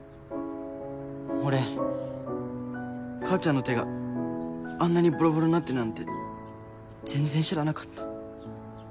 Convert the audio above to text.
俺母ちゃんの手があんなにボロボロになってるなんて全然知らなかった。